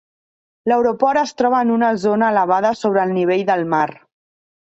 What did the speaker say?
L'aeroport es troba en una zona elevada sobre el nivell del mar.